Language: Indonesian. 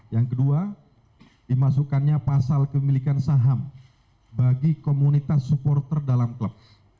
yang kedua dimasukkannya pasal kemilikan saham bagi komunitas supporter dalam klub